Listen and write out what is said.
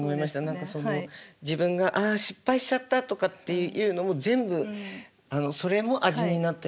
何かその自分が「あ失敗しちゃった」とかっていうのも全部それも味になったりとかするわけですもんね。